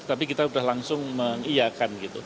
tapi kita sudah langsung mengiyakan